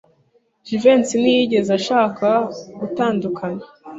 Jivency ntiyigeze ashaka gutandukana.